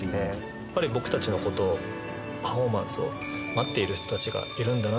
やっぱり僕たちのことを、パフォーマンスを待っている人たちがいるんだな。